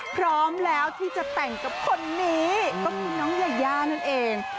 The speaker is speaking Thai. พร้อมแล้วที่จะแต่งกับคนนี้ก็คือน้องยาย่านั่นเอง